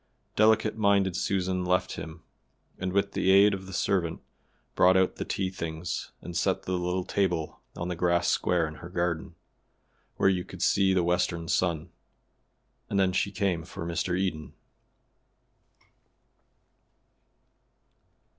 Delicate minded Susan left him, and with the aid of the servant brought out the tea things and set the little table on the grass square in her garden, where you could see the western sun. And then she came for Mr. Eden.